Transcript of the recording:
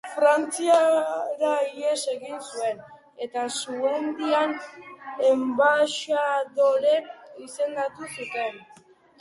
Frantziara ihes egin zuen, eta Suedian enbaxadore izendatu zuten.